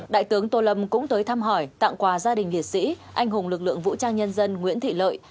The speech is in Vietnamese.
đại tướng tô lâm cũng tới thăm hỏi tặng quà gia đình liệt sĩ anh hùng lực lượng vũ trang nhân dân nguyễn thị lợi